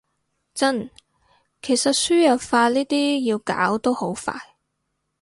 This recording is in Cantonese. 真，其實輸入法呢啲要搞都好快